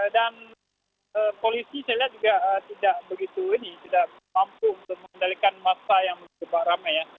dan polisi saya lihat juga tidak begitu mampu untuk mengendalikan masa yang cukup ramai ya